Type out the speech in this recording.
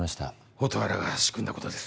蛍原が仕組んだことです。